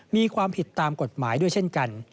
มีความผิดตามกฎหมายด้วยเช่นกัน